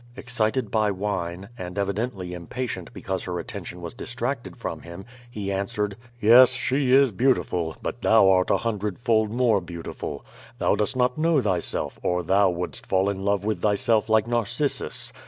'* Excited by wine, and evidently impatient because her at tention was distracted from him, he answered: "Yes, she is beautiful, but thou art a hundred fold more beautiful. Thou dost not know thyself, or thou wouldst fall in love with thyself like Narcissus.